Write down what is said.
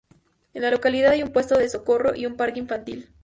En la localidad hay un puesto de socorro y un parque infantil.